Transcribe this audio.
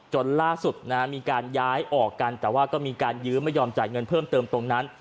จนล่าสุดมีการย้ายออกกันแต่ว่าก็มีการยื้อไม่ยอมจ่ายเงินเพิ่มเติมตรงนั้น